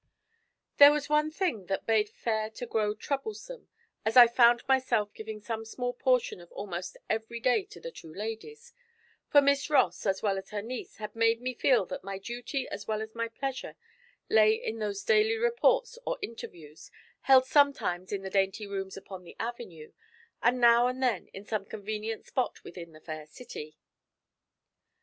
There was one thing that bade fair to grow troublesome, as I found myself giving some small portion of almost every day to the two ladies; for Miss Ross as well as her niece had made me feel that my duty as well as my pleasure lay in those daily reports or interviews, held sometimes in the dainty rooms upon the avenue, and now and then in some convenient spot within the Fair City.